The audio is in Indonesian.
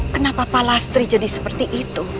kenapa palastri jadi seperti itu